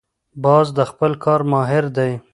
باز د خپل کار ماهر دی